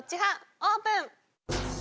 オープン。